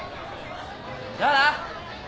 じゃあな！